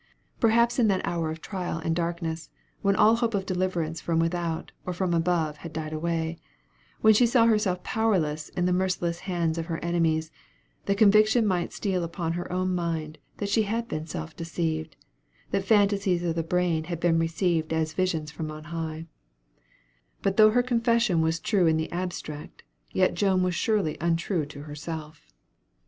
Perhaps in that hour of trial and darkness, when all hope of deliverance from without, or from above, had died away, when she saw herself powerless in the merciless hands of her enemies, the conviction might steal upon her own mind, that she had been self deceived; that phantasies of the brain had been received as visions from on high, but though her confession was true in the abstract, yet Joan was surely untrue to herself.